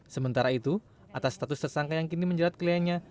sementara itu atas status tersangka yang kini menjerat kliennya